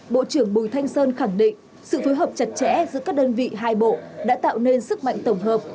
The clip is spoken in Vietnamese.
bộ trưởng bùi thanh sơn khẳng định sự phối hợp chặt chẽ giữa các đơn vị hai bộ đã tạo nên sức mạnh tổng hợp